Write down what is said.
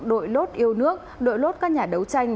đội lốt yêu nước đội lốt các nhà đấu tranh